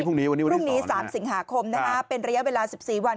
พรุ่งนี้วันนี้ตอนนะคะเป็นระยะเวลา๑๔วัน